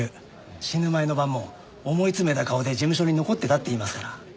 死ぬ前の晩も思い詰めた顔で事務所に残ってたって言いますから。